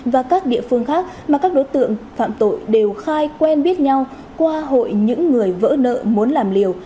và các địa phương khác mà các đối tượng phạm tội đều khai quen biết nhau qua hội những người vỡ nợ muốn làm liều